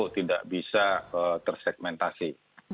tidak bisa tersegmentasi